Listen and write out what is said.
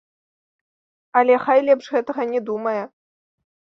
Але хай лепш гэтага не думае.